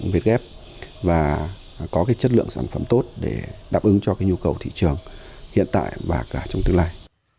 việt ghép và có cái chất lượng sản phẩm tốt để đáp ứng cho cái nhu cầu thị trường hiện tại và cả trong tương lai